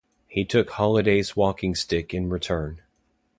He took Holliday's walking-stick in return.